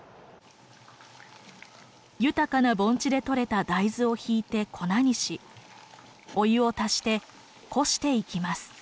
豊かな盆地で採れた大豆をひいて粉にしお湯を足してこしていきます。